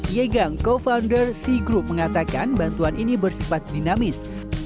yegang co founder sea group mengatakan bantuan ini bersifat dinamis